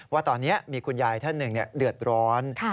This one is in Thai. ว่าตอนนี้มีคุณยายท่านหนึ่งเดือดร้อน